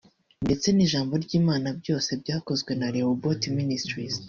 ndetse n’ijambo ry’Imana byose byakozwe na Rehoboth Ministries